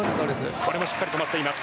これもしっかり止まっています。